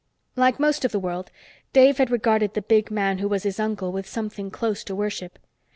Like most of the world, Dave had regarded the big man who was his uncle with something close to worship.